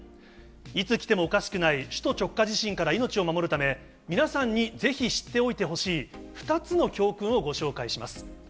いつ来てもおかしくない首都直下地震から命を守るため、皆さんにぜひ知っておいてほしい２つの教訓をご紹介します。